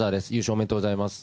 おめでとうございます。